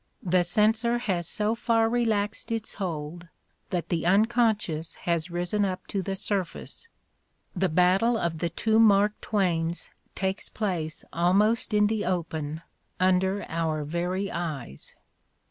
The censor has so far relaxed its hold that the unconscious has risen up to the sur face: the battle of the two Mark Twains takes place almost in the open, under our very eyes.